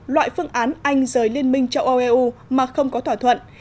loại phương án anh rời liên minh châu âu eu mà không có thỏa thuận